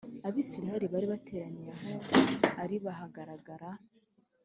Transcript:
Abisirayeli bari bateraniye aho ari bahagarara